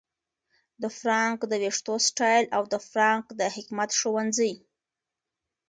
د فرانک د ویښتو سټایل او د فرانک د حکمت ښوونځي